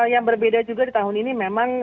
yang berbeda juga di tahun ini memang